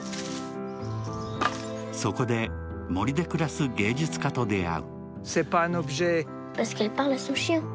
そこで森で暮らす芸術家と出会う。